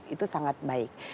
itu sangat baik